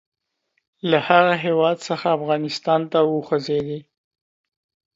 له هغه هیواد څخه افغانستان ته وخوځېدی.